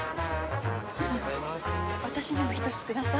私にも１つください。